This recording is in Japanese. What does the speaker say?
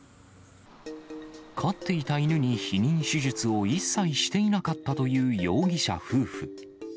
飼っていた犬に避妊手術を一切していなかったという容疑者夫婦。